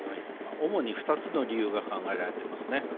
主に２つの理由が考えられています。